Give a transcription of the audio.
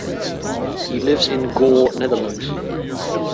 He lives in Goor, Netherlands.